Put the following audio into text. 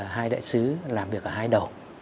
hai đại sứ làm việc ở hai đầu